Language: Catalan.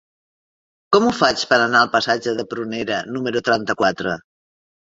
Com ho faig per anar al passatge de Prunera número trenta-quatre?